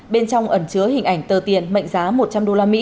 bên trong ẩn chứa hình ảnh tờ tiền mệnh giá một trăm linh usd